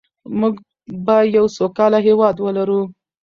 موږ به یو سوکاله هېواد ولرو.